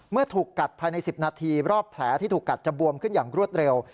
ถูกกัดภายใน๑๐นาทีรอบแผลที่ถูกกัดจะบวมขึ้นอย่างรวดเร็ว